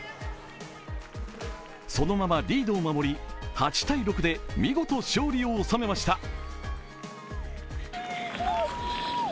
そのままリードを守り８−６で見事勝利を収めました。